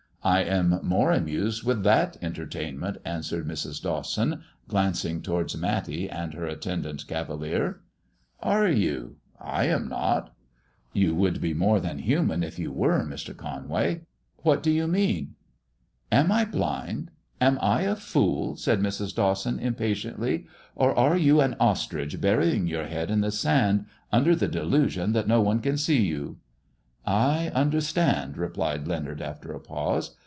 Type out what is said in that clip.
*^ I am more amused with that entertainment," answered Mrs. Dawson, glancing towards Matty and her attendant cavalier. " Are you 1 I am not." " You would be more than human if you were, Mr. 186 MISS JONATHAN What do you mean 1 "'^ Am I blind 1 Am I a fool ?" said Mrs. Dawson, impatiently ;" or are you an ostrich, burying your head in the sand, under the delusion that no one can see you ]''" I understand," replied Leonard, after a pause.